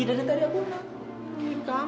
dari tadi aku enak